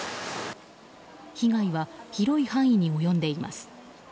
被害は広い範囲に及んでいます。